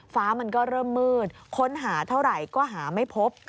มันก็เริ่มมืดค้นหาเท่าไหร่ก็หาไม่พบ